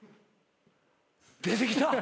出てきた。